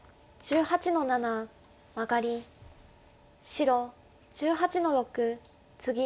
白１８の六ツギ。